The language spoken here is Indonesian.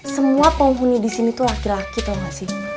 semua penghuni disini tuh laki laki tau gak sih